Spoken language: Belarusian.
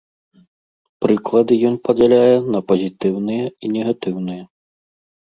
Прыклады ён падзяляе на пазітыўныя і негатыўныя.